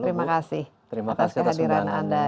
terima kasih atas kehadiran anda